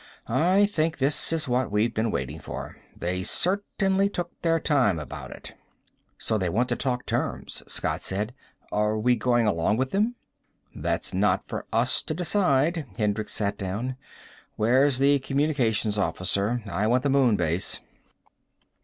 "I think this is what we've been waiting for. They certainly took their time about it." "So they want to talk terms," Scott said. "Are we going along with them?" "That's not for us to decide." Hendricks sat down. "Where's the communications officer? I want the Moon Base."